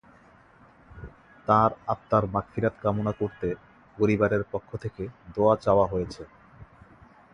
তাঁর আত্মার মাগফিরাত কামনা করতে পরিবারের পক্ষ থেকে দোয়া চাওয়া হয়েছে।